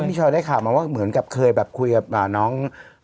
พี่ชอยได้ข่าวมาว่าเหมือนกับเคยแบบคุยกับน้อง